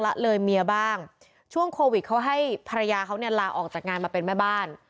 ละเลยเมียบ้างช่วงโควิดเขาให้ภรรยาเขาเนี่ยลาออกจากงานมาเป็นแม่บ้าน